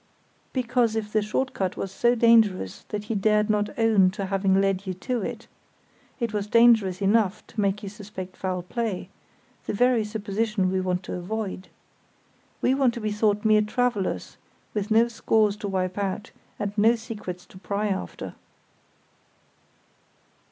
"Because if the short cut was so dangerous that he dared not own to having led you to it, it was dangerous enough to make you suspect foul play; the very supposition we want to avoid. We want to be thought mere travellers, with no scores to wipe out, and no secrets to pry after."